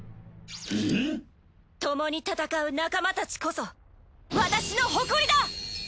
うん！？ともに戦う仲間たちこそ私の誇りだ！